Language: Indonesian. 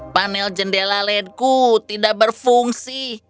panel jendela led ku tidak berfungsi